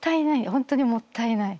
本当にもったいない。